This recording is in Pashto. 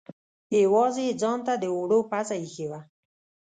یوازې یې ځانته د اوړو پزه اېښې وه.